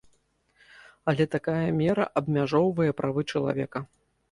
Але такая мера абмяжоўвае правы чалавека.